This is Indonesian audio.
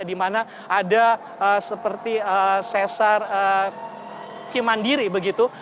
di mana ada seperti sesar cimandiri begitu